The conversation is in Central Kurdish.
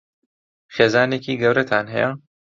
خێزانێکی گەورەتان هەیە؟